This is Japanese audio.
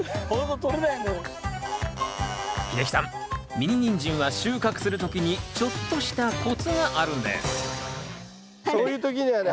ミニニンジンは収穫する時にちょっとしたコツがあるんですそういう時にはね